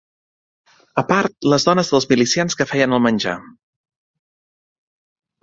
A part les dones dels milicians que feien el menjar.